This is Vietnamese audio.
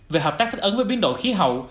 về hợp tác thích ứng với biến đổi khí hậu